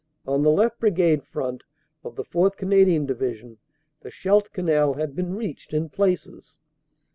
On the left Brigade front of the 4th. Canadian Divi sion the Scheldt Canal had been reached in places.